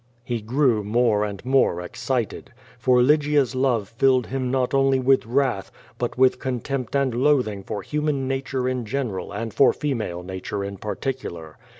*' He grew more and more excited. For Lygia's love filled him not only with wrath, but with contempt and loathing for human nature in general and for female nature in particular.